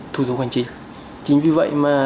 thủ tục hành chính chính vì vậy mà